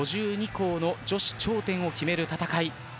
５２校の女子頂点を決める戦い。